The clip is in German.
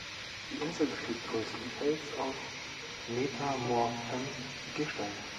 Die Insel besteht größtenteils aus metamorphem Gestein.